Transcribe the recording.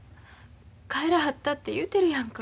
帰らはったって言うてるやんか。